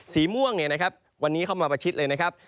สีม่วงเนี่ยนะครับวันนี้เข้ามาประชิดเลยนะครับ